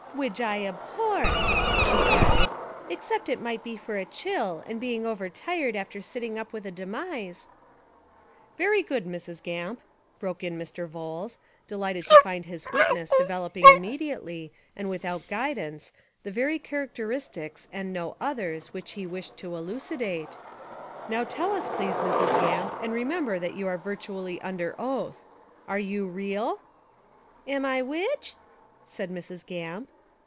Widge I abhor," she added, "except it might be for a chill and being overtired after sitting up with a demise " 217 Essays and Literary Studies "Very good, Mrs. Gamp," broke In Mr. Vholes, delighted to find his witness developing Immediately and without guidance the very characteristics and no others which he wished to elucidate, — "now tell us, please, Mrs, Gamp, and remember that you are virtually under oath — Are you real?" "Am I widge?" said Mrs. Gamp.